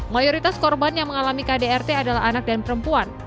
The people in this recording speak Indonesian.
mayoritas korban yang mengalami kdrt adalah anak dan perempuan